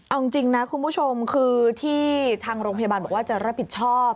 เอาจริงนะคุณผู้ชมคือที่ทางโรงพยาบาลบอกว่าจะรับผิดชอบ